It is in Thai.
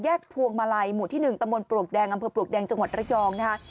พวงมาลัยหมู่ที่๑ตำบลปลวกแดงอำเภอปลวกแดงจังหวัดระยองนะคะ